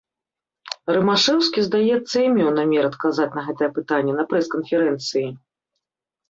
Рымашэўскі, здаецца, і меў намер адказаць на гэтае пытанне на прэс-канферэнцыі.